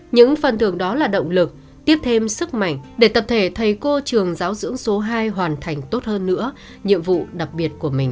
những phần thưởng đó là động lực tiếp thêm sức mạnh để tập thể thầy cô trường giáo dưỡng số hai hoàn thành tốt hơn nữa nhiệm vụ đặc biệt của mình